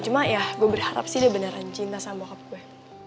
cuma ya gue berharap sih dia beneran cinta sama hope gue